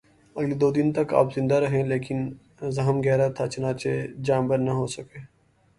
اگلے دو دن تک آپ زندہ رہے لیکن زخم گہرا تھا، چنانچہ جانبر نہ ہو سکے